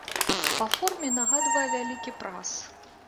Па форме нагадвае вялікі прас.